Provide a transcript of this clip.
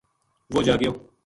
وہ جاگیو